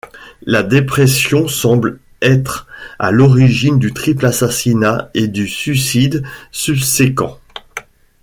La dépression semble être à l'origine du triple assassinat et du suicide subséquent.